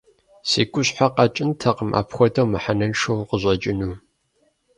Си гущхьэ къэкӀынтэкъым, апхуэдэу мыхьэнэншэу укъыщӀэкӀыну.